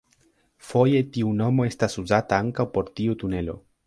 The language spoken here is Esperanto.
Foje tiu nomo estas uzata ankaŭ por tiu tunelo.